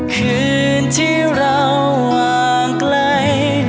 คืนที่เราวางไกล